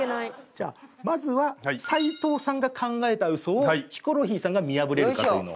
じゃあまずは齊藤さんが考えた嘘をヒコロヒーさんが見破れるかというのを。